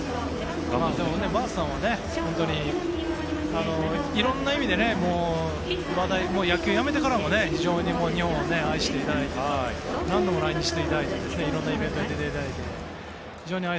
バースさんはいろんな意味で野球をやめてからも非常に日本を愛していて何度も来日していただいていろんなイベントに出て。